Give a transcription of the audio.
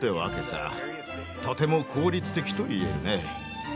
とても効率的といえるね。